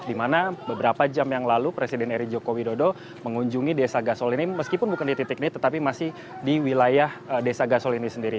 di mana beberapa jam yang lalu presiden eri joko widodo mengunjungi desa gasol ini meskipun bukan di titik ini tetapi masih di wilayah desa gasol ini sendiri